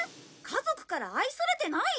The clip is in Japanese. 家族から愛されてない？